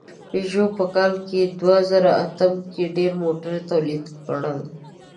پيژو په کال دوهزرهاتم کې ډېر موټر تولید کړل.